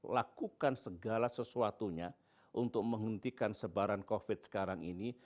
lakukan segala sesuatunya untuk menghentikan sebaran covid sekarang ini